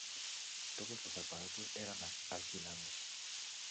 Todos los aparatos eran alquilados.